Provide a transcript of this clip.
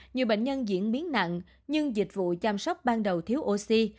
nhiều bệnh nhân diễn biến nặng nhưng dịch vụ chăm sóc ban đầu thiếu oxy